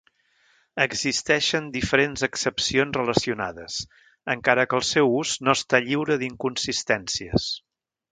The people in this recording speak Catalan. Existeixen diferents accepcions relacionades encara que el seu ús no està lliure d'inconsistències.